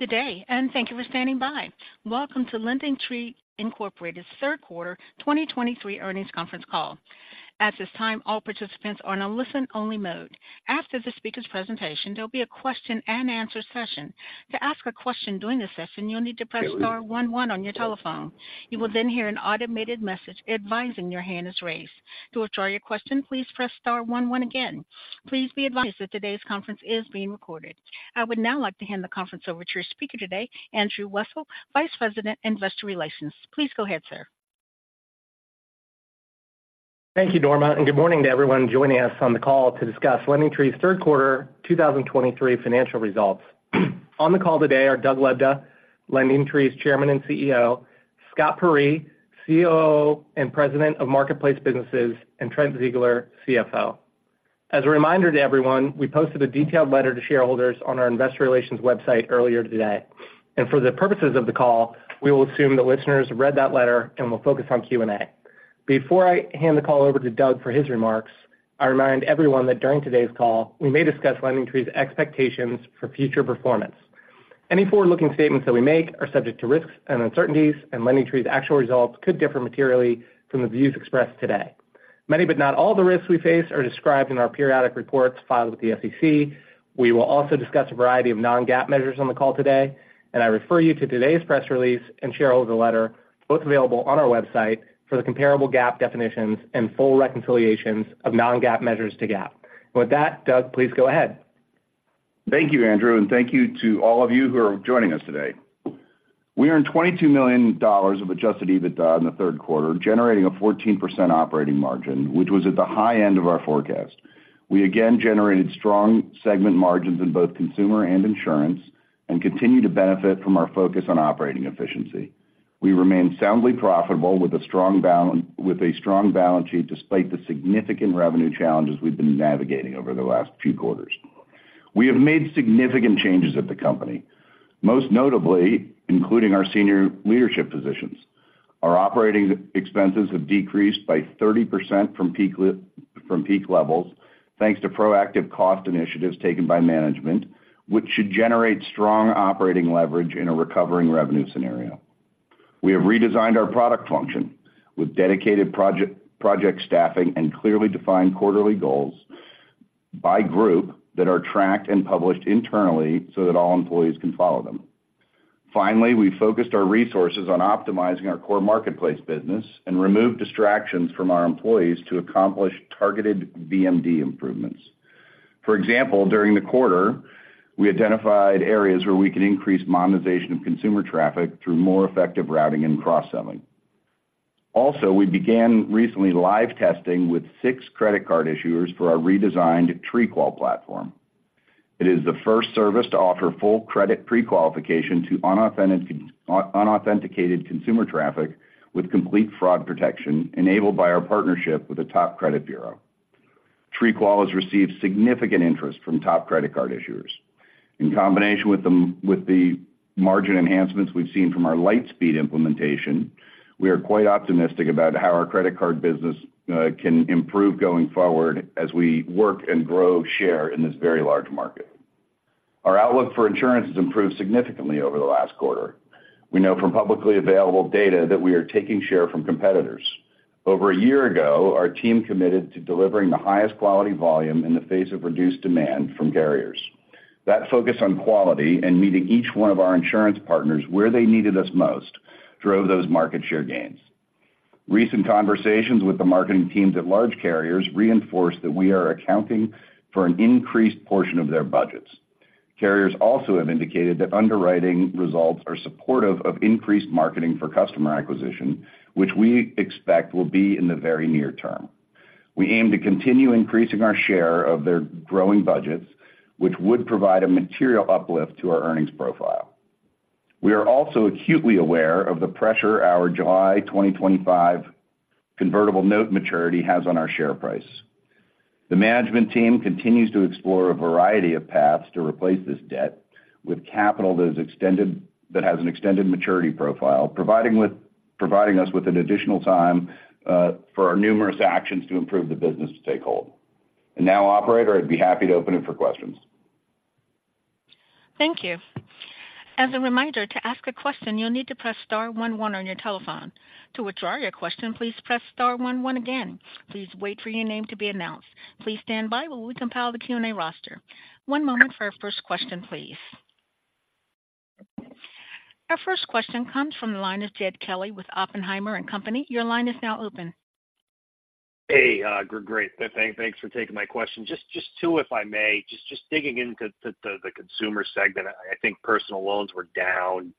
Good day, and thank you for standing by. Welcome to LendingTree Incorporated's third quarter 2023 earnings conference call. At this time, all participants are in a listen-only mode. After the speaker's presentation, there'll be a question-and-answer session. To ask a question during the session, you'll need to press star one one on your telephone. You will then hear an automated message advising your hand is raised. To withdraw your question, please press star one one again. Please be advised that today's conference is being recorded. I would now like to hand the conference over to your speaker today, Andrew Wessel, Vice President, Investor Relations. Please go ahead, sir. Thank you, Norma, and good morning to everyone joining us on the call to discuss LendingTree's third quarter 2023 financial results. On the call today are Doug Lebda, LendingTree's Chairman and CEO, Scott Peyree, COO and President of Marketplace Businesses, and Trent Ziegler, CFO. As a reminder to everyone, we posted a detailed letter to shareholders on our investor relations website earlier today, and for the purposes of the call, we will assume that listeners read that letter and will focus on Q&A. Before I hand the call over to Doug for his remarks, I remind everyone that during today's call, we may discuss LendingTree's expectations for future performance. Any forward-looking statements that we make are subject to risks and uncertainties, and LendingTree's actual results could differ materially from the views expressed today. Many, but not all, of the risks we face are described in our periodic reports filed with the SEC. We will also discuss a variety of non-GAAP measures on the call today, and I refer you to today's press release and shareholder letter, both available on our website, for the comparable GAAP definitions and full reconciliations of non-GAAP measures to GAAP. With that, Doug, please go ahead. Thank you, Andrew, and thank you to all of you who are joining us today. We earned $22 million of Adjusted EBITDA in the third quarter, generating a 14% operating margin, which was at the high end of our forecast. We again generated strong segment margins in both consumer and insurance and continue to benefit from our focus on operating efficiency. We remain soundly profitable with a strong balance sheet, despite the significant revenue challenges we've been navigating over the last few quarters. We have made significant changes at the company, most notably, including our senior leadership positions. Our operating expenses have decreased by 30% from peak levels, thanks to proactive cost initiatives taken by management, which should generate strong operating leverage in a recovering revenue scenario. We have redesigned our product function with dedicated project, project staffing and clearly defined quarterly goals by group that are tracked and published internally so that all employees can follow them. Finally, we focused our resources on optimizing our core marketplace business and removed distractions from our employees to accomplish targeted VMD improvements. For example, during the quarter, we identified areas where we could increase monetization of consumer traffic through more effective routing and cross-selling. Also, we began recently live testing with six credit card issuers for our redesigned TreeQual platform. It is the first service to offer full credit pre-qualification to unauthenticated consumer traffic with complete fraud protection, enabled by our partnership with a top credit bureau. TreeQual has received significant interest from top credit card issuers. In combination with the margin enhancements we've seen from our Lightspeed implementation, we are quite optimistic about how our credit card business can improve going forward as we work and grow share in this very large market. Our outlook for insurance has improved significantly over the last quarter. We know from publicly available data that we are taking share from competitors. Over a year ago, our team committed to delivering the highest quality volume in the face of reduced demand from carriers. That focus on quality and meeting each one of our insurance partners where they needed us most drove those market share gains. Recent conversations with the marketing teams at large carriers reinforce that we are accounting for an increased portion of their budgets. Carriers also have indicated that underwriting results are supportive of increased marketing for customer acquisition, which we expect will be in the very near term. We aim to continue increasing our share of their growing budgets, which would provide a material uplift to our earnings profile. We are also acutely aware of the pressure our July 2025 Convertible Note maturity has on our share price. The management team continues to explore a variety of paths to replace this debt with capital that is extended, that has an extended maturity profile, providing us with an additional time for our numerous actions to improve the business to take hold. And now, operator, I'd be happy to open it for questions. Thank you. As a reminder, to ask a question, you'll need to press star one one on your telephone. To withdraw your question, please press star one one again. Please wait for your name to be announced. Please stand by while we compile the Q&A roster. One moment for our first question, please. Our first question comes from the line of Jed Kelly with Oppenheimer and Company. Your line is now open. Hey, great. Thanks for taking my question. Just two, if I may. Just digging into the consumer segment, I think personal loans were down.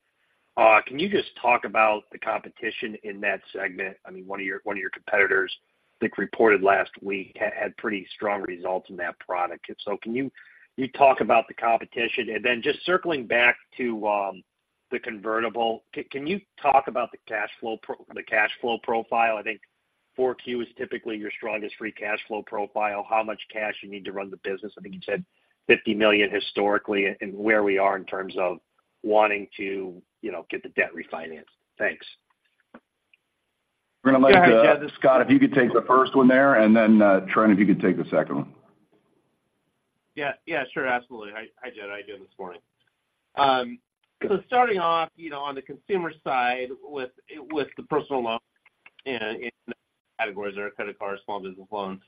Can you just talk about the competition in that segment? I mean, one of your competitors, I think, reported last week, had pretty strong results in that product. If so, can you talk about the competition? And then just circling back to the convertible, can you talk about the cash flow profile? I think Q4 is typically your strongest free cash flow profile. How much cash you need to run the business? I think you said $50 million historically, and where we are in terms of wanting to, you know, get the debt refinanced. Thanks.... We're gonna let Scott, if you could take the first one there, and then Trent, if you could take the second one. Yeah, yeah, sure. Absolutely. Hi, Jed, how you doing this morning? So starting off, you know, on the consumer side, with the personal loans in categories or credit cards, small business loans.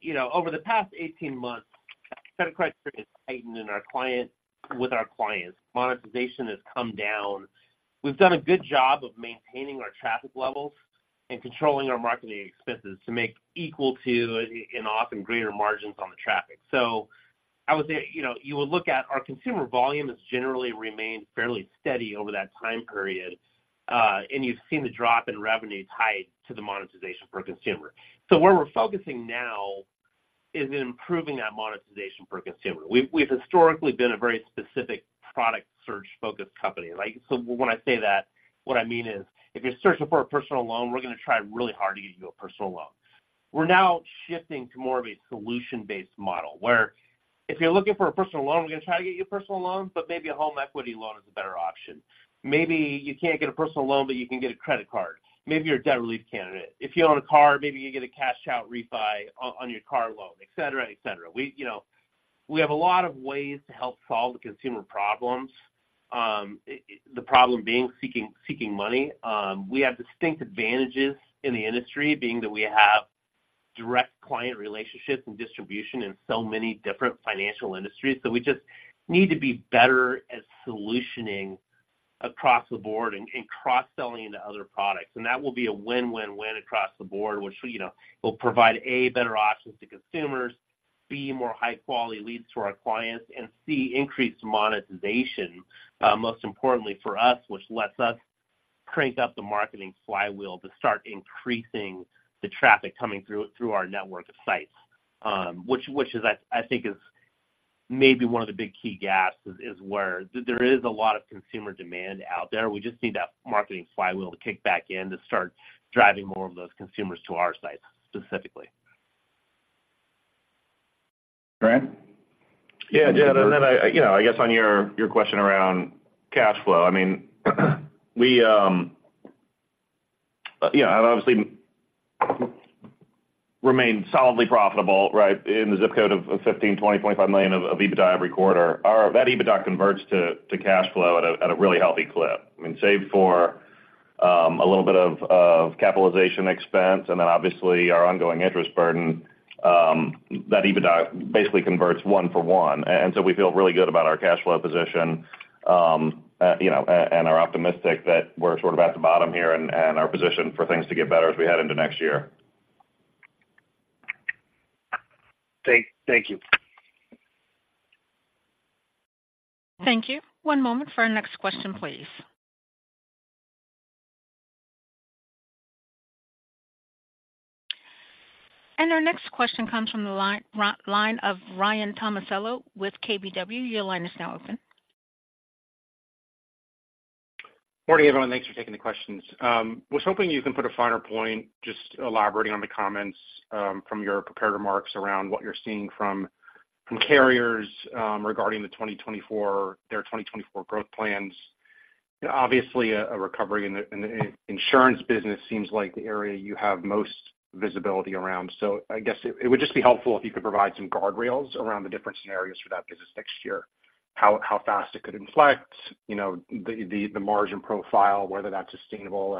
You know, over the past 18 months, credit criteria has tightened in our clients with our clients. Monetization has come down. We've done a good job of maintaining our traffic levels and controlling our marketing expenses to make equal to and often greater margins on the traffic. So I would say, you know, you would look at our consumer volume has generally remained fairly steady over that time period, and you've seen the drop in revenue tied to the monetization per consumer. So where we're focusing now is in improving that monetization per consumer. We've historically been a very specific product search-focused company. Like, so when I say that, what I mean is, if you're searching for a personal loan, we're going to try really hard to get you a personal loan. We're now shifting to more of a solution-based model, where if you're looking for a personal loan, we're going to try to get you a personal loan, but maybe a home equity loan is a better option. Maybe you can't get a personal loan, but you can get a credit card. Maybe you're a debt relief candidate. If you own a car, maybe you get a cash out refi on your car loan, et cetera, et cetera. We, you know, we have a lot of ways to help solve the consumer problems, the problem being seeking, seeking money. We have distinct advantages in the industry, being that we have direct client relationships and distribution in so many different financial industries. So we just need to be better at solutioning across the board and cross-selling into other products. And that will be a win-win-win across the board, which, you know, will provide, A, better options to consumers, B, more high-quality leads to our clients, and C, increased monetization, most importantly for us, which lets us crank up the marketing flywheel to start increasing the traffic coming through our network of sites. Which is, I think is maybe one of the big key gaps, is where there is a lot of consumer demand out there. We just need that marketing flywheel to kick back in to start driving more of those consumers to our sites, specifically. Trent? Yeah, Jed, and then I, you know, I guess on your, your question around cash flow, I mean, we, you know, obviously remain solidly profitable, right? In the zip code of $15, $20, $25 million of EBITDA every quarter. That EBITDA converts to, to cash flow at a, at a really healthy clip. I mean, save for, a little bit of, of capitalization expense and then obviously our ongoing interest burden, that EBITDA basically converts 1-for-1. And so we feel really good about our cash flow position, you know, and, and are optimistic that we're sort of at the bottom here and, and are positioned for things to get better as we head into next year. Thank you. Thank you. One moment for our next question, please. And our next question comes from the line of Ryan Tomasello with KBW. Your line is now open. Morning, everyone. Thanks for taking the questions. Was hoping you can put a finer point, just elaborating on the comments from your prepared remarks around what you're seeing from carriers regarding the 2024—their 2024 growth plans. Obviously, a recovery in the insurance business seems like the area you have most visibility around. So I guess it would just be helpful if you could provide some guardrails around the different scenarios for that business next year. How fast it could inflect, you know, the margin profile, whether that's sustainable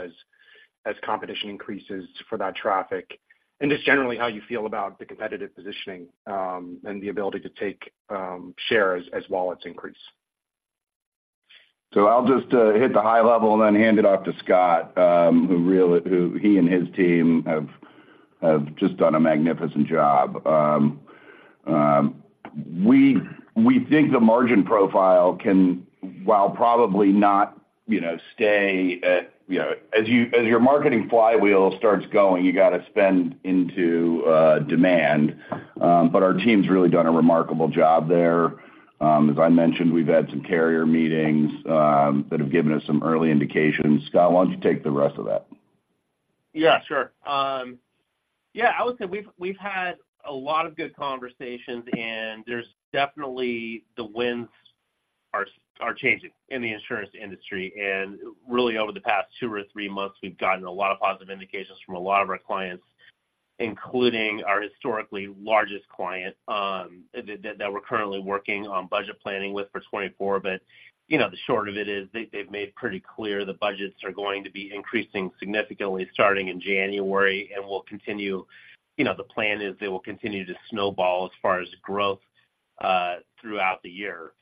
as competition increases for that traffic, and just generally how you feel about the competitive positioning and the ability to take shares as wallets increase. So I'll just hit the high level and then hand it off to Scott, who really, he and his team have just done a magnificent job. We think the margin profile can, while probably not, you know, stay at, you know. As your marketing flywheel starts going, you got to spend into demand. But our team's really done a remarkable job there. As I mentioned, we've had some carrier meetings that have given us some early indications. Scott, why don't you take the rest of that? Yeah, sure. Yeah, I would say we've had a lot of good conversations, and there's definitely the winds are changing in the insurance industry. And really, over the past two or three months, we've gotten a lot of positive indications from a lot of our clients, including our historically largest client, that we're currently working on budget planning with for 2024. But, you know, the short of it is, they, they've made pretty clear the budgets are going to be increasing significantly starting in January and will continue. You know, the plan is they will continue to snowball as far as growth throughout the year.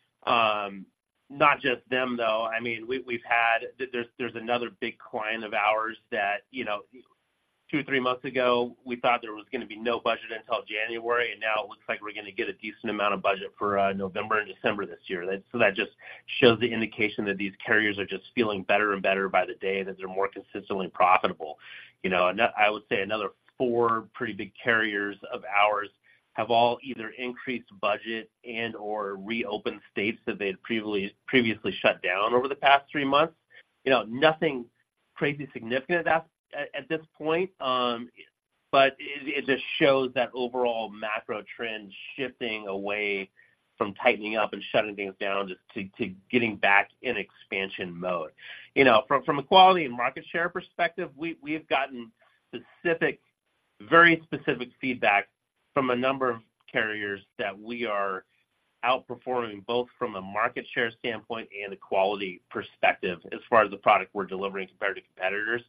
Not just them, though. I mean, there's another big client of ours that, you know, two-three months ago, we thought there was going to be no budget until January, and now it looks like we're going to get a decent amount of budget for November and December this year. So that just shows the indication that these carriers are just feeling better and better by the day, and that they're more consistently profitable. You know, another four pretty big carriers of ours have all either increased budget and/or reopened states that they had previously shut down over the past three months. You know, nothing crazy significant at this point, but it just shows that overall macro trend shifting away from tightening up and shutting things down just to getting back in expansion mode. You know, from a quality and market share perspective, we've gotten specific, very specific feedback from a number of carriers that we are outperforming, both from a market share standpoint and a quality perspective as far as the product we're delivering compared to competitors.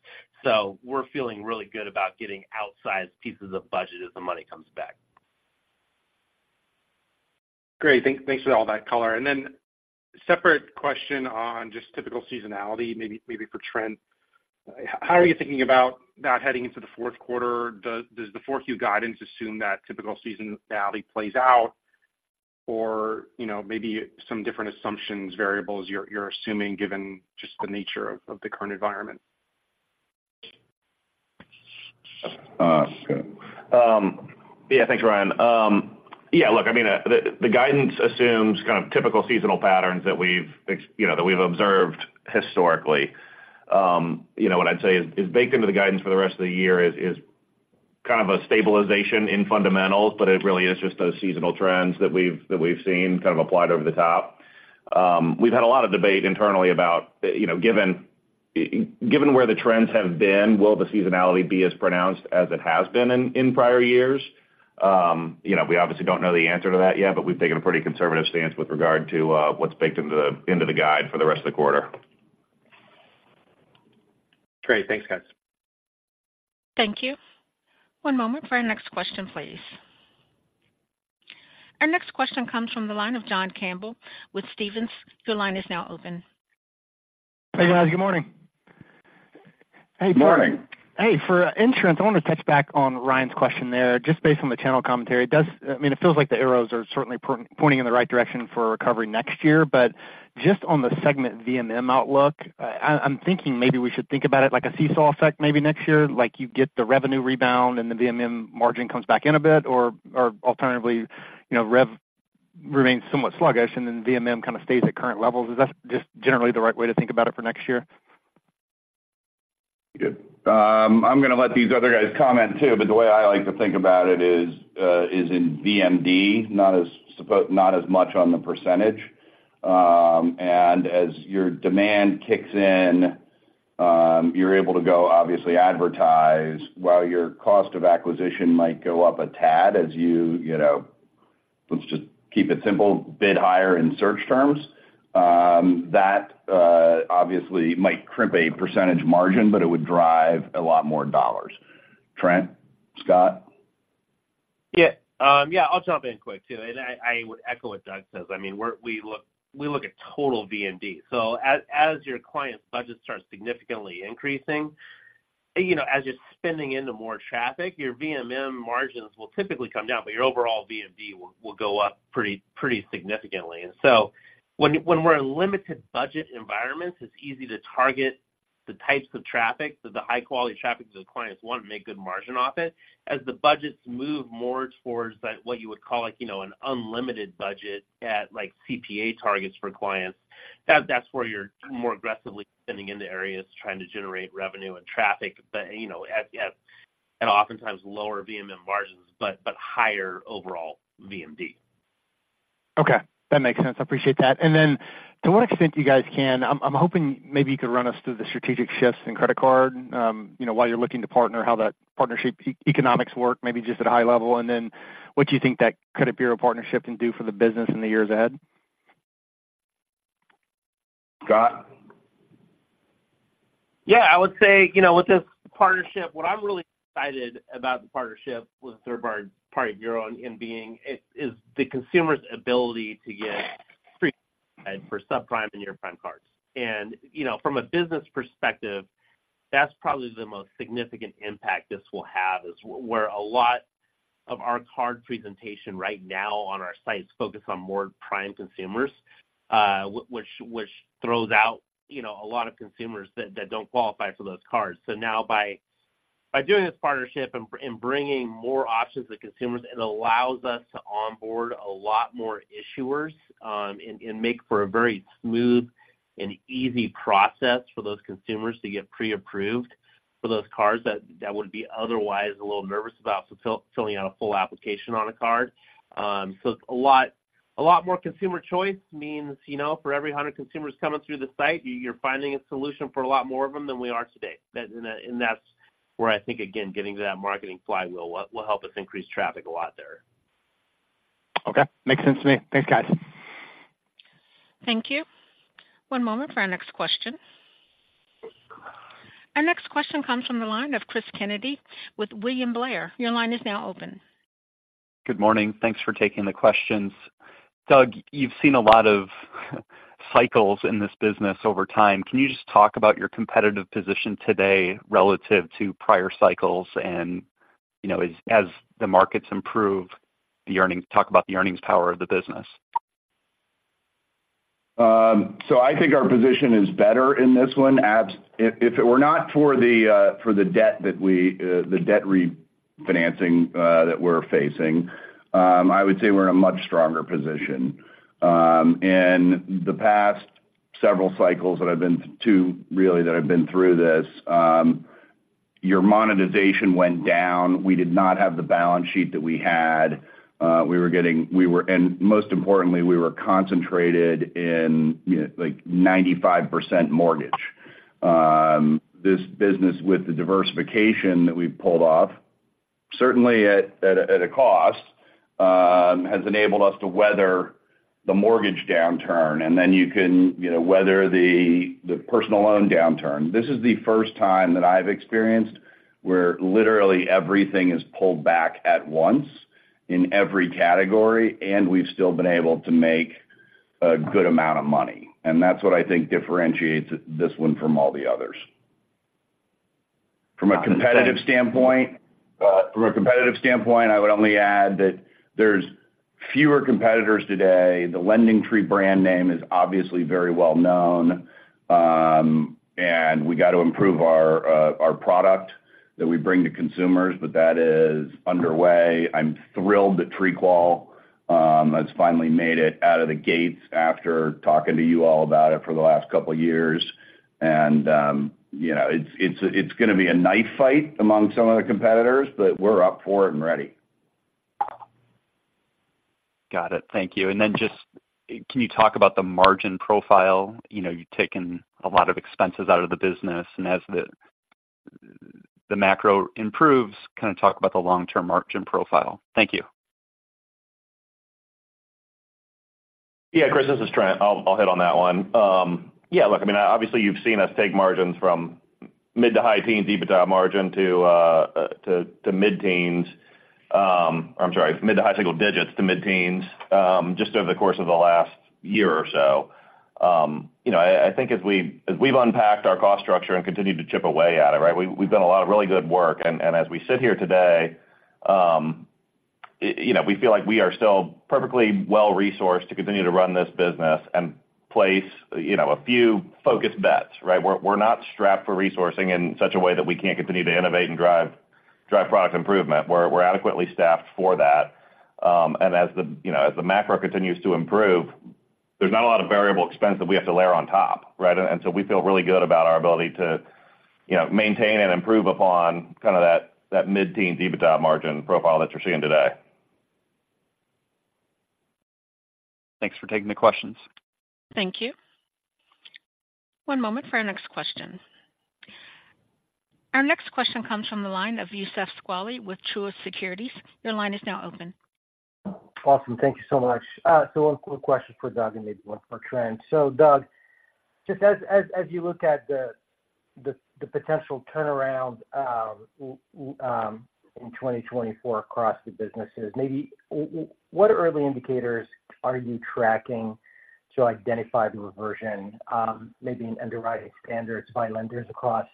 So we're feeling really good about getting outsized pieces of budget as the money comes back. Great. Thanks for all that color. Then separate question on just typical seasonality, maybe for Trent. How are you thinking about that heading into the fourth quarter? Does the fourth quarter guidance assume that typical seasonality plays out? Or, you know, maybe some different assumptions, variables you're assuming, given just the nature of the current environment? Yeah, thanks, Ryan. Yeah, look, I mean, the guidance assumes kind of typical seasonal patterns that we've, you know, that we've observed historically. You know, what I'd say is baked into the guidance for the rest of the year is kind of a stabilization in fundamentals, but it really is just those seasonal trends that we've seen kind of applied over the top. We've had a lot of debate internally about, you know, given where the trends have been, will the seasonality be as pronounced as it has been in prior years? You know, we obviously don't know the answer to that yet, but we've taken a pretty conservative stance with regard to what's baked into the guide for the rest of the quarter. Great. Thanks, guys. Thank you. One moment for our next question, please. Our next question comes from the line of John Campbell with Stephens. Your line is now open. Hey, guys. Good morning. Good morning. Morning. Hey, for insurance, I want to touch back on Ryan's question there, just based on the channel commentary. I mean, it feels like the arrows are certainly pointing in the right direction for a recovery next year. But just on the segment VMM outlook, I'm thinking maybe we should think about it like a seesaw effect maybe next year. Like, you get the revenue rebound, and the VMM margin comes back in a bit, or alternatively, you know, rev remains somewhat sluggish, and then VMM kind of stays at current levels. Is that just generally the right way to think about it for next year? I'm gonna let these other guys comment, too, but the way I like to think about it is in VMD, not as much on the percentage. And as your demand kicks in, you're able to go, obviously advertise, while your cost of acquisition might go up a tad as you, you know, let's just keep it simple, bid higher in search terms. That obviously might crimp a percentage margin, but it would drive a lot more dollars. Trent, Scott? Yeah. Yeah, I'll jump in quick, too, and I would echo what Doug says. I mean, we look at total VMD. So as your clients' budgets start significantly increasing, you know, as you're spending into more traffic, your VMM margins will typically come down, but your overall VMD will go up pretty significantly. And so when we're in limited budget environments, it's easy to target the types of traffic, the high quality traffic, that the clients want and make good margin off it. As the budgets move more towards the, what you would call, like, you know, an unlimited budget at, like, CPA targets for clients, that's where you're more aggressively spending in the areas, trying to generate revenue and traffic. But, you know, at oftentimes lower VMM margins, but higher overall VMD. Okay, that makes sense. I appreciate that. And then to what extent you guys can, I'm hoping maybe you could run us through the strategic shifts in credit card. You know, while you're looking to partner, how that partnership economics work, maybe just at a high level, and then what you think that credit bureau partnership can do for the business in the years ahead? Scott? Yeah, I would say, you know, with this partnership, what I'm really excited about the partnership with third-party bureau is the consumer's ability to get pre-qual for subprime and near-prime cards. You know, from a business perspective, that's probably the most significant impact this will have, is where a lot of our card presentation right now on our sites focus on more prime consumers, which throws out, you know, a lot of consumers that don't qualify for those cards. So now by doing this partnership and bringing more options to consumers, it allows us to onboard a lot more issuers and make for a very smooth and easy process for those consumers to get pre-approved for those cards that would be otherwise a little nervous about filling out a full application on a card. So it's a lot more consumer choice, means, you know, for every 100 consumers coming through the site, you're finding a solution for a lot more of them than we are today. And that's where I think, again, getting to that marketing flywheel will help us increase traffic a lot there. Okay, makes sense to me. Thanks, guys. Thank you. One moment for our next question. Our next question comes from the line of Cris Kennedy with William Blair. Your line is now open. Good morning. Thanks for taking the questions. Doug, you've seen a lot of cycles in this business over time. Can you just talk about your competitive position today relative to prior cycles and, you know, as the markets improve, the earnings... Talk about the earnings power of the business. So I think our position is better in this one. If it were not for the debt refinancing that we're facing, I would say we're in a much stronger position. In the past several cycles that I've been to, really, that I've been through this, our monetization went down. We did not have the balance sheet that we had. And most importantly, we were concentrated in, you know, like 95% mortgage. This business, with the diversification that we've pulled off, certainly at a cost, has enabled us to weather the mortgage downturn, and then you can, you know, weather the personal loan downturn. This is the first time that I've experienced where literally everything is pulled back at once in every category, and we've still been able to make a good amount of money. And that's what I think differentiates this one from all the others. From a competitive standpoint, from a competitive standpoint, I would only add that there's fewer competitors today. The LendingTree brand name is obviously very well known, and we got to improve our, our product that we bring to consumers, but that is underway. I'm thrilled that TreeQual has finally made it out of the gates after talking to you all about it for the last couple of years. And, you know, it's gonna be a knife fight among some of the competitors, but we're up for it and ready. Got it. Thank you. And then just, can you talk about the margin profile? You know, you've taken a lot of expenses out of the business, and as the macro improves, kind of talk about the long-term margin profile. Thank you. Yeah, Cris, this is Trent. I'll, I'll hit on that one. Yeah, look, I mean, obviously, you've seen us take margins from mid to high teens EBITDA margin to, to mid-teens. I'm sorry, mid to high single digits to mid-teens, just over the course of the last year or so. You know, I think as we, as we've unpacked our cost structure and continued to chip away at it, right? We've, we've done a lot of really good work, and, and as we sit here today, you know, we feel like we are still perfectly well-resourced to continue to run this business and place, you know, a few focused bets, right? We're, we're not strapped for resourcing in such a way that we can't continue to innovate and drive, drive product improvement. We're, we're adequately staffed for that. And as the, you know, as the macro continues to improve, there's not a lot of variable expense that we have to layer on top, right? And so we feel really good about our ability to, you know, maintain and improve upon kind of that mid-teen EBITDA margin profile that you're seeing today. Thanks for taking the questions. Thank you. One moment for our next question. Our next question comes from the line of Youssef Squali with Truist Securities. Your line is now open. Awesome. Thank you so much. So one quick question for Doug and maybe one for Trent. So Doug, just as, as, as you look at the, the, the potential turnaround, in 2024 across the businesses, maybe what early indicators are you tracking to identify the reversion, maybe in underwriting standards by lenders across,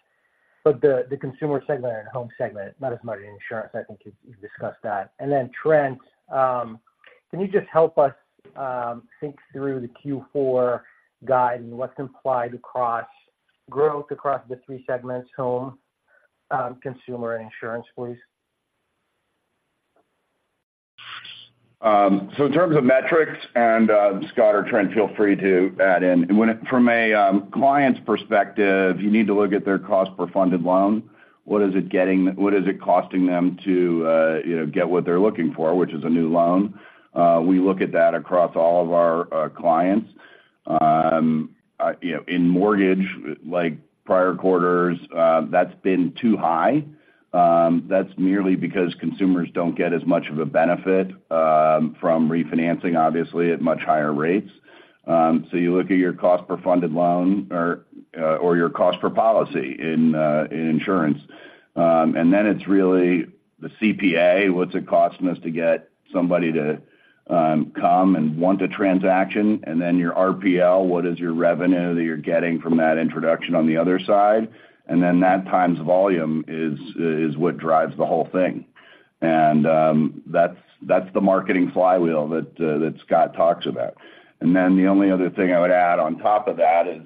but the, the consumer segment and home segment, not as much in insurance? I think you, you've discussed that. Then, Trent, can you just help us, think through the Q4 guide and what's implied across growth, across the three segments: home, consumer, and insurance, please? So in terms of metrics, and Scott or Trent, feel free to add in. From a client's perspective, you need to look at their cost per funded loan. What is it costing them to, you know, get what they're looking for, which is a new loan? We look at that across all of our clients. You know, in mortgage, like prior quarters, that's been too high. That's merely because consumers don't get as much of a benefit from refinancing, obviously, at much higher rates. So you look at your cost per funded loan or your cost per policy in insurance. And then it's really the CPA, what's it costing us to get somebody to come and want a transaction? And then your RPL, what is your revenue that you're getting from that introduction on the other side? And then that times volume is, is what drives the whole thing. And, that's, that's the marketing flywheel that, that Scott talks about. And then the only other thing I would add on top of that is,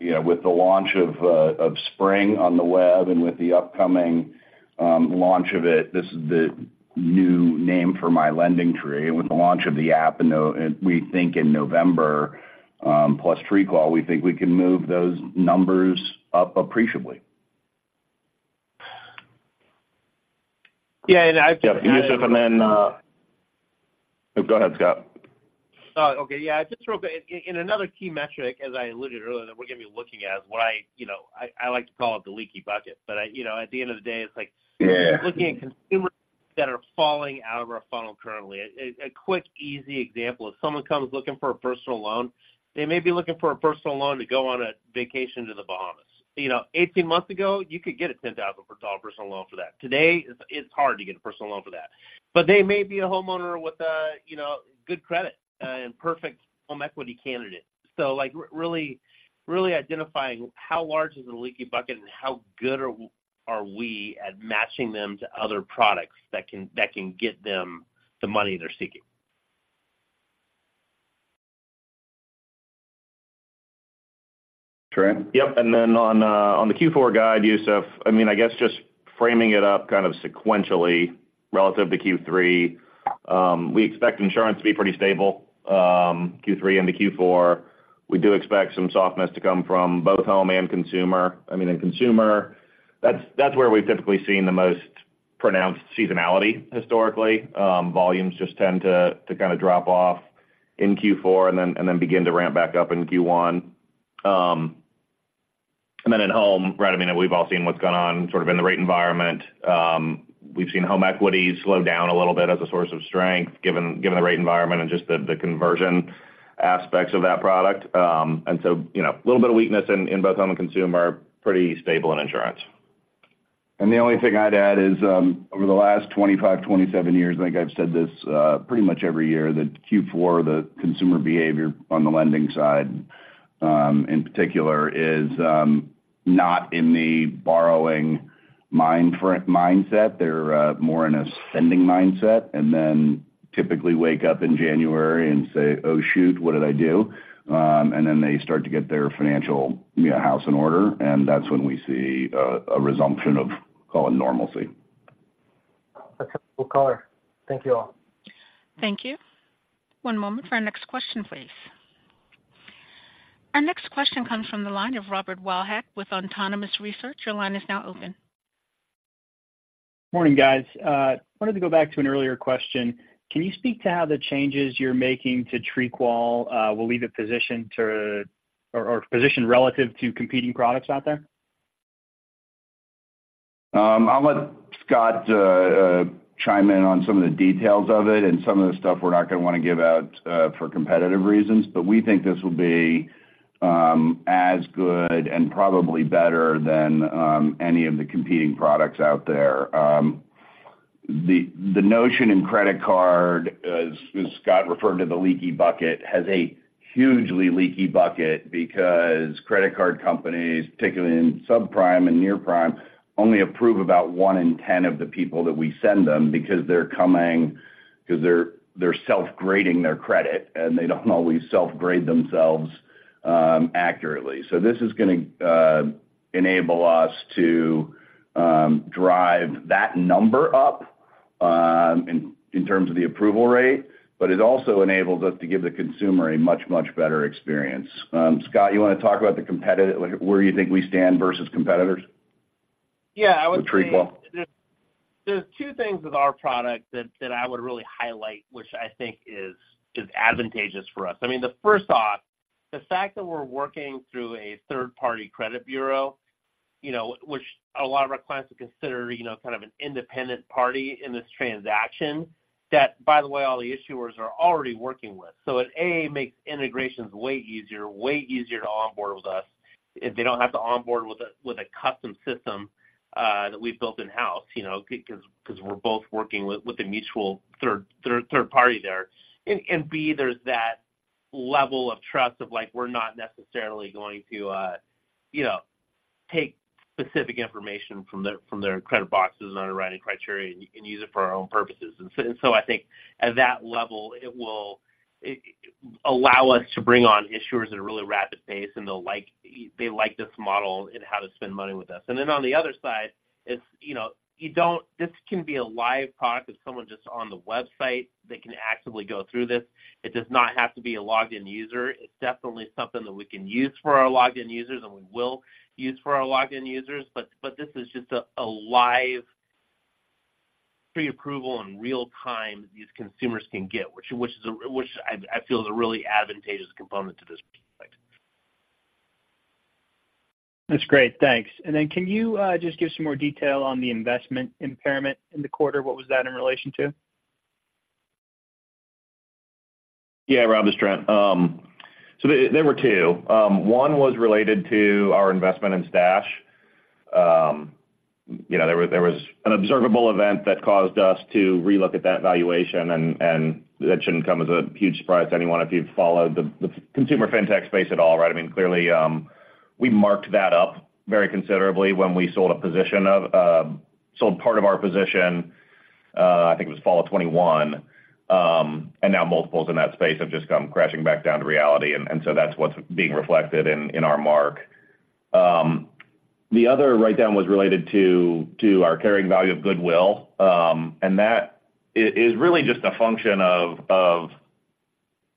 you know, with the launch of Spring on the web and with the upcoming launch of it. This is the new name for My LendingTree, with the launch of the app and we think in November, plus TreeQual, we think we can move those numbers up appreciably. Yeah, and I- Yousuf, and then, Go ahead, Scott. Okay, yeah, just real quick. And another key metric, as I alluded earlier, that we're gonna be looking at is what I, you know, I like to call it the leaky bucket. But I, you know, at the end of the day, it's like- Yeah. Looking at consumers that are falling out of our funnel currently. A quick, easy example, if someone comes looking for a personal loan, they may be looking for a personal loan to go on a vacation to the Bahamas. You know, 18 months ago, you could get a $10,000 personal loan for that. Today, it's hard to get a personal loan for that. But they may be a homeowner with a, you know, good credit and perfect home equity candidate. So, like, really identifying how large is the leaky bucket and how good are we at matching them to other products that can get them the money they're seeking? Yep, and then on the Q4 guide, Youssef, I mean, I guess just framing it up kind of sequentially relative to Q3, we expect insurance to be pretty stable, Q3 into Q4. We do expect some softness to come from both home and consumer. I mean, in consumer, that's, that's where we've typically seen the most pronounced seasonality historically. Volumes just tend to kind of drop off in Q4 and then begin to ramp back up in Q1. And then in home, right, I mean, we've all seen what's gone on sort of in the rate environment. We've seen home equity slow down a little bit as a source of strength, given the rate environment and just the conversion aspects of that product. And so, you know, a little bit of weakness in both home and consumer, pretty stable in insurance. The only thing I'd add is, over the last 25, 27 years, I think I've said this pretty much every year, that Q4, the consumer behavior on the lending side, in particular, is not in the borrowing mindset. They're more in a spending mindset, and then typically wake up in January and say, "Oh, shoot, what did I do?" And then they start to get their financial, you know, house in order, and that's when we see a resumption of, call it normalcy. That's helpful color. Thank you all. Thank you. One moment for our next question, please. Our next question comes from the line of Robert Wildhack with Autonomous Research. Your line is now open. Morning, guys. Wanted to go back to an earlier question. Can you speak to how the changes you're making to TreeQual will leave it positioned to, or positioned relative to competing products out there? I'll let Scott chime in on some of the details of it and some of the stuff we're not going to want to give out for competitive reasons, but we think this will be as good and probably better than any of the competing products out there. The notion in credit card, as Scott referred to the leaky bucket, has a hugely leaky bucket because credit card companies, particularly in subprime and near prime, only approve about 1 in 10 of the people that we send them because they're self-grading their credit, and they don't always self-grade themselves accurately. So this is going to enable us to drive that number up in terms of the approval rate, but it also enables us to give the consumer a much, much better experience. Scott, you want to talk about the competitive—like, where you think we stand versus competitors? Yeah, I would say- With TreeQual. There's two things with our product that I would really highlight, which I think is advantageous for us. I mean, the first off, the fact that we're working through a third-party credit bureau, you know, which a lot of our clients would consider, you know, kind of an independent party in this transaction, that, by the way, all the issuers are already working with. So it A, makes integrations way easier, way easier to onboard with us if they don't have to onboard with a custom system that we've built in-house, you know, because we're both working with a mutual third party there. And B, there's that level of trust of, like, we're not necessarily going to, you know, take specific information from their credit boxes and underwriting criteria and use it for our own purposes. And so I think at that level, it will allow us to bring on issuers at a really rapid pace, and they'll like this model and how to spend money with us. And then on the other side, it's, you know, this can be a live product. If someone just on the website, they can actively go through this. It does not have to be a logged-in user. It's definitely something that we can use for our logged-in users, and we will use for our logged-in users. But this is just a live preapproval in real time these consumers can get, which I feel is a really advantageous component to this product. That's great. Thanks. And then can you just give some more detail on the investment impairment in the quarter? What was that in relation to? Yeah, Rob, it's Trent. So there were two. One was related to our investment in Stash. You know, there was an observable event that caused us to relook at that valuation, and that shouldn't come as a huge surprise to anyone if you've followed the consumer Fintech space at all, right? I mean, clearly, we marked that up very considerably when we sold a position of—sold part of our position, I think it was fall of 2021. And now multiples in that space have just come crashing back down to reality, and so that's what's being reflected in our mark. The other write-down was related to our carrying value of goodwill, and that is really just a function of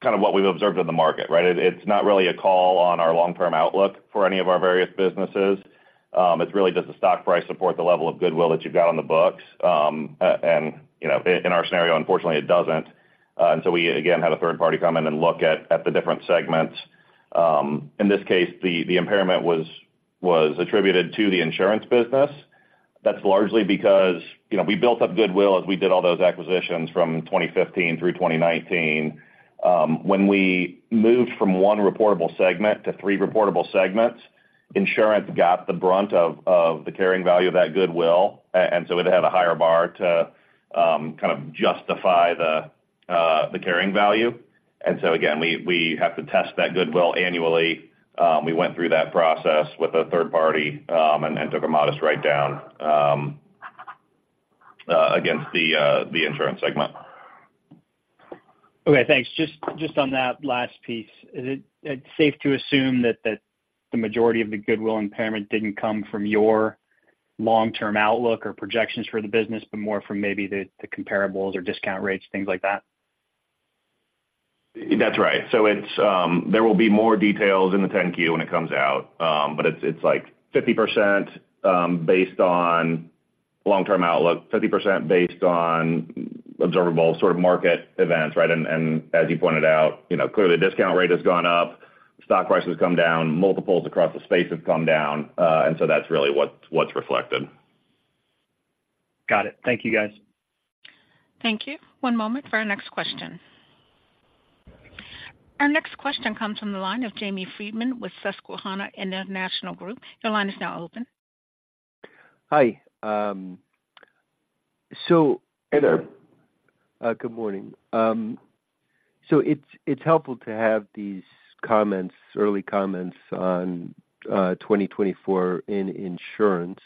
kind of what we've observed in the market, right? It's not really a call on our long-term outlook for any of our various businesses. It's really, does the stock price support the level of goodwill that you've got on the books? And, you know, in, in our scenario, unfortunately, it doesn't. And so we again, had a third party come in and look at, at the different segments. In this case, the impairment was attributed to the insurance business. That's largely because, you know, we built up goodwill as we did all those acquisitions from 2015 through 2019. When we moved from one reportable segment to three reportable segments, insurance got the brunt of, of the carrying value of that goodwill, and so it had a higher bar to, kind of justify the, the carrying value. And so again, we, we have to test that goodwill annually. We went through that process with a third party, and took a modest write-down against the insurance segment.... Okay, thanks. Just on that last piece, is it safe to assume that the majority of the Goodwill Impairment didn't come from your long-term outlook or projections for the business, but more from maybe the comparables or discount rates, things like that? That's right. So it's, there will be more details in the 10-Q when it comes out. But it's, it's like 50%, based on long-term outlook, 50% based on observable sort of market events, right? And as you pointed out, you know, clearly the discount rate has gone up, stock prices come down, multiples across the space have come down, and so that's really what's reflected. Got it. Thank you, guys. Thank you. One moment for our next question. Our next question comes from the line of Jamie Friedman with Susquehanna International Group. Your line is now open. Hi, Hey there. Good morning. So it's helpful to have these comments, early comments on 2024 in insurance.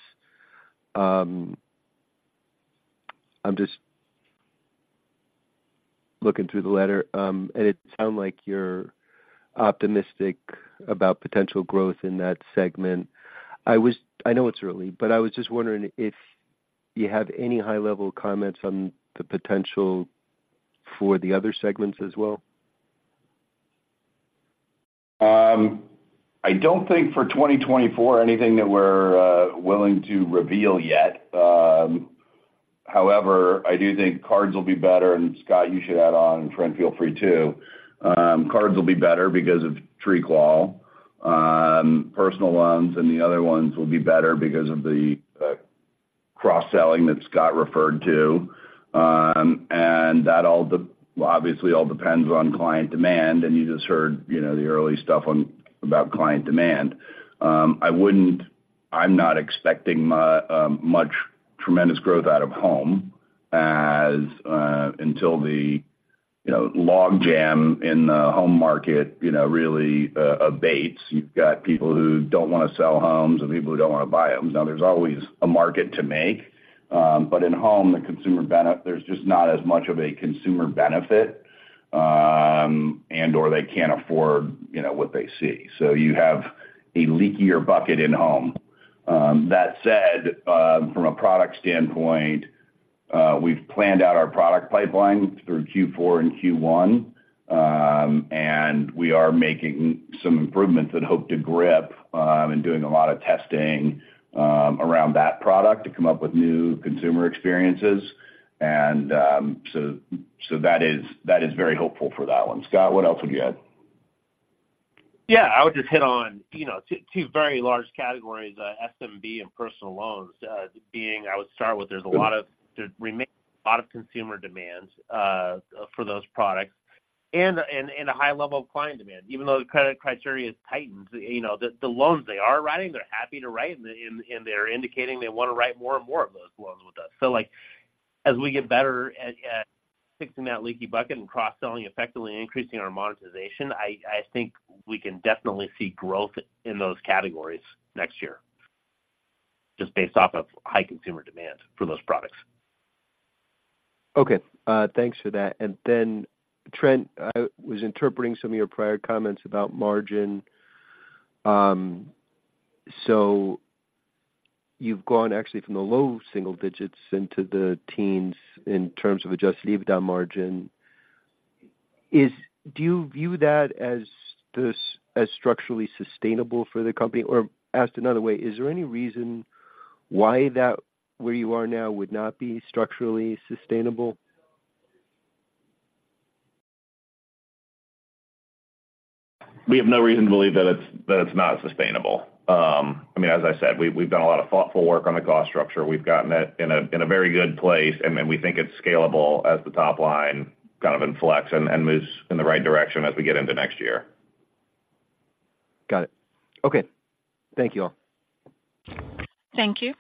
I'm just looking through the letter, and it sounds like you're optimistic about potential growth in that segment. I was. I know it's early, but I was just wondering if you have any high-level comments on the potential for the other segments as well? I don't think for 2024, anything that we're willing to reveal yet. However, I do think cards will be better, and Scott, you should add on, Trent, feel free too. Cards will be better because of TreeQual. Personal loans and the other ones will be better because of the cross-selling that Scott referred to. And that all obviously all depends on client demand, and you just heard, you know, the early stuff on about client demand. I'm not expecting much tremendous growth out of home as until the, you know, log jam in the home market, you know, really abates. You've got people who don't want to sell homes and people who don't want to buy homes. Now, there's always a market to make, but in home, the consumer. There's just not as much of a consumer benefit, and/or they can't afford, you know, what they see. So you have a leakier bucket in home. That said, from a product standpoint, we've planned out our product pipeline through Q4 and Q1, and we are making some improvements that hope to grip, and doing a lot of testing around that product to come up with new consumer experiences. So, so that is, that is very hopeful for that one. Scott, what else would you add? Yeah, I would just hit on, you know, two, two very large categories, SMB and personal loans, being I would start with, there's a lot of... There remains a lot of consumer demands for those products and a, and a high level of client demand, even though the credit criteria is tightened. You know, the loans they are writing, they're happy to write, and they're indicating they want to write more and more of those loans with us. So, like, as we get better at fixing that leaky bucket and cross-selling, effectively increasing our monetization, I think we can definitely see growth in those categories next year, just based off of high consumer demand for those products. Okay, thanks for that. And then, Trent, I was interpreting some of your prior comments about margin. So you've gone actually from the low single digits into the teens in terms of Adjusted EBITDA margin. Do you view that as this, as structurally sustainable for the company? Or asked another way, is there any reason why that, where you are now, would not be structurally sustainable? We have no reason to believe that it's not sustainable. I mean, as I said, we've done a lot of thoughtful work on the cost structure. We've gotten it in a very good place, and then we think it's scalable as the top line kind of inflects and moves in the right direction as we get into next year. Got it. Okay. Thank you all. Thank you.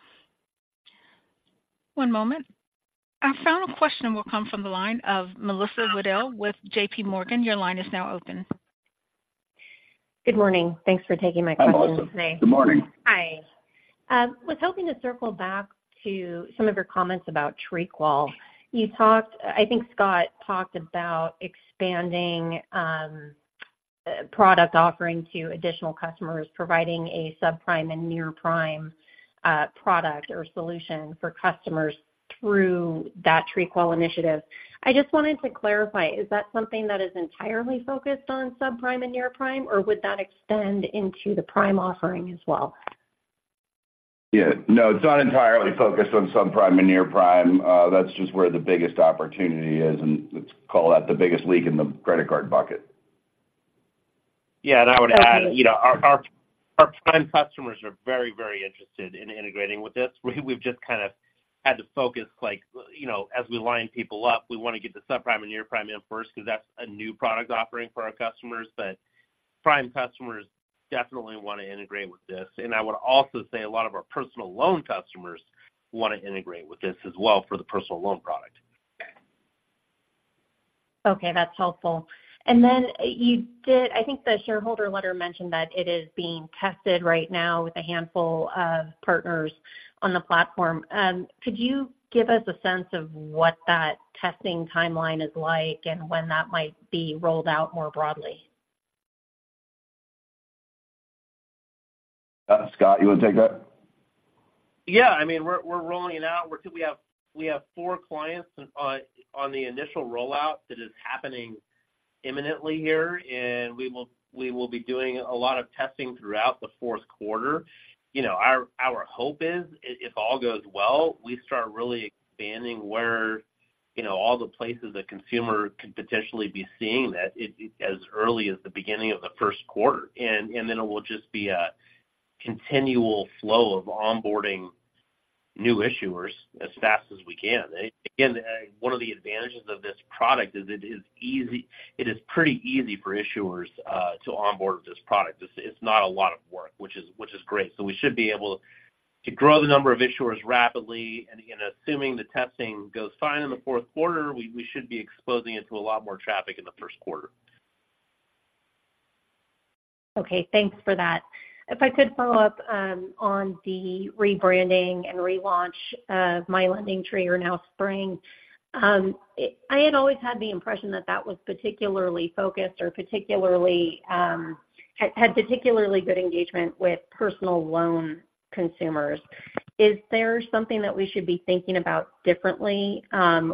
One moment. Our final question will come from the line of Melissa Wedel with JPMorgan. Your line is now open. Good morning. Thanks for taking my question today. Good morning. Hi. Was hoping to circle back to some of your comments about TreeQual. You talked, I think Scott talked about expanding product offering to additional customers, providing a subprime and near-prime product or solution for customers through that TreeQual initiative. I just wanted to clarify, is that something that is entirely focused on subprime and near-prime, or would that extend into the prime offering as well? Yeah. No, it's not entirely focused on subprime and near-prime. That's just where the biggest opportunity is, and let's call that the biggest leak in the credit card bucket. Yeah, and I would add, you know, our prime customers are very, very interested in integrating with this. We've just kind of had to focus, like, you know, as we line people up, we want to get the subprime and near-prime in first because that's a new product offering for our customers. But prime customers definitely want to integrate with this. And I would also say a lot of our personal loan customers want to integrate with this as well for the personal loan product. Okay, that's helpful. And then you did-- I think the shareholder letter mentioned that it is being tested right now with a handful of partners on the platform. Could you give us a sense of what that testing timeline is like and when that might be rolled out more broadly?... Scott, you want to take that? Yeah, I mean, we're rolling it out. We have four clients on the initial rollout that is happening imminently here, and we will be doing a lot of testing throughout the fourth quarter. You know, our hope is, if all goes well, we start really expanding where, you know, all the places a consumer could potentially be seeing that it, as early as the beginning of the first quarter. And then it will just be a continual flow of onboarding new issuers as fast as we can. Again, one of the advantages of this product is it is pretty easy for issuers to onboard with this product. It's not a lot of work, which is great. So we should be able to grow the number of issuers rapidly, and, again, assuming the testing goes fine in the fourth quarter, we should be exposing it to a lot more traffic in the first quarter. Okay, thanks for that. If I could follow up, on the rebranding and relaunch of My LendingTree or now Spring. I had always had the impression that that was particularly focused or particularly, had, had particularly good engagement with personal loan consumers. Is there something that we should be thinking about differently,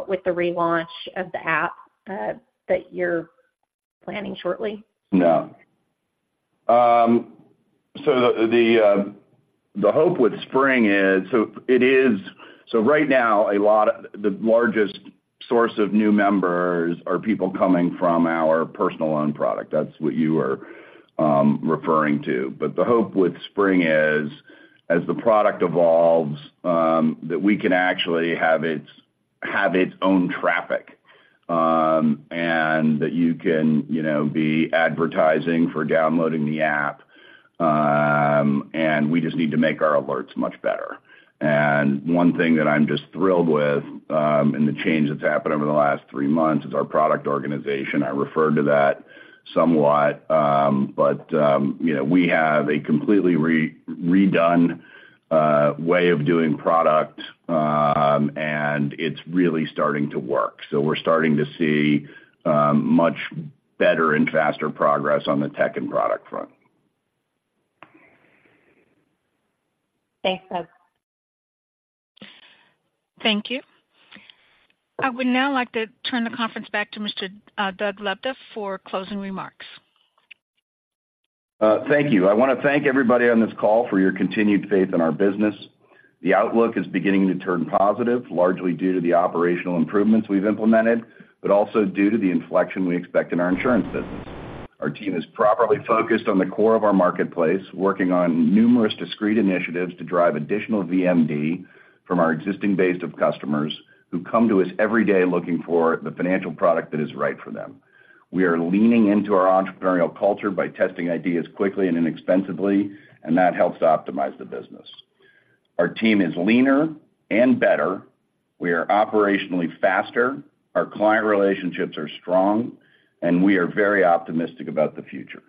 with the relaunch of the app, that you're planning shortly? No. So the hope with Spring is. So right now, the largest source of new members are people coming from our personal loan product. That's what you are referring to. But the hope with Spring is, as the product evolves, that we can actually have its own traffic, and that you can, you know, be advertising for downloading the app, and we just need to make our alerts much better. And one thing that I'm just thrilled with, and the change that's happened over the last three months, is our product organization. I referred to that somewhat, but you know, we have a completely redone way of doing product, and it's really starting to work. So we're starting to see, much better and faster progress on the tech and product front. Thanks, Doug. Thank you. I would now like to turn the conference back to Mr. Doug Lebda for closing remarks. Thank you. I want to thank everybody on this call for your continued faith in our business. The outlook is beginning to turn positive, largely due to the operational improvements we've implemented, but also due to the inflection we expect in our insurance business. Our team is properly focused on the core of our marketplace, working on numerous discrete initiatives to drive additional VMD from our existing base of customers who come to us every day looking for the financial product that is right for them. We are leaning into our entrepreneurial culture by testing ideas quickly and inexpensively, and that helps to optimize the business. Our team is leaner and better, we are operationally faster, our client relationships are strong, and we are very optimistic about the future.